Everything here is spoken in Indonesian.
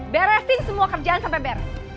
beresin semua kerjaan sampai beres